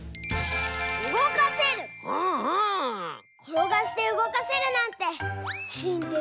ころがしてうごかせるなんてしんって